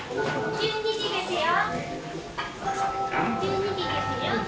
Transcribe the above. １２時ですよ。